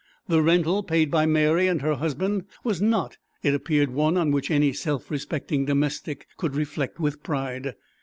The rental paid by Mary and her husband was not, it appeared, one on which any self respecting domestic could reflect with pride.